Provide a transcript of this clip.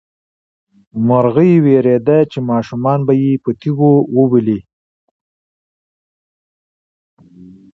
مرغۍ وېرېده چې ماشومان به یې په تیږو وولي.